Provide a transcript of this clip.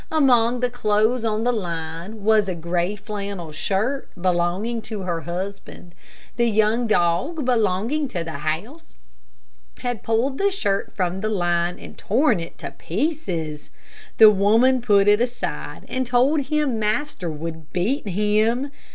Among the clothes on the line was a gray flannel shirt belonging to her husband. The young dog belonging to the house had pulled the shirt from the line and torn it to pieces. The woman put it aside and told him master would beat him.